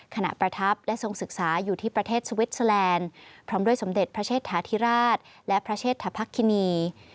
ประทับและทรงศึกษาอยู่ที่ประเทศสวิสเตอร์แลนด์พร้อมด้วยสมเด็จพระเชษฐาธิราชและพระเชษฐภักคินี